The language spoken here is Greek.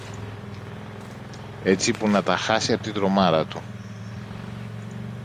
έτσι που να τα χάσει από την τρομάρα του.